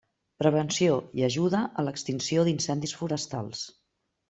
Prevenció i ajuda a l'extinció d'incendis forestals.